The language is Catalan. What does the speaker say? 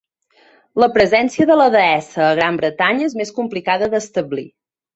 La presència de la deessa a Gran Bretanya és més complicada d'establir.